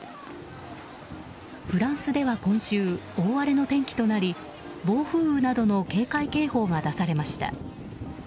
フランスでは今週大荒れの天気となり暴風雨などの警戒警報が出されました。